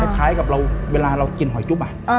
คล้ายกับเราเวลากินหอยจุ๊บอะ